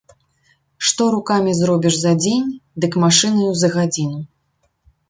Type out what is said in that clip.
Што рукамі зробіш за дзень, дык машынаю за гадзіну.